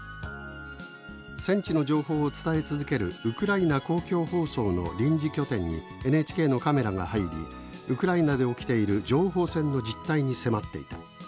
「戦地の情報を伝え続けるウクライナ公共放送の臨時拠点にＮＨＫのカメラが入りウクライナで起きている情報戦の実態に迫っていた。